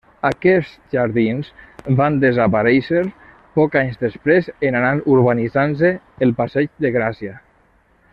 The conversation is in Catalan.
Aquests jardins van desaparèixer pocs anys després en anar urbanitzant-se el passeig de Gràcia.